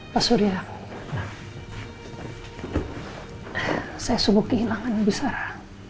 pak surya saya sungguh kehilangan ibu sarah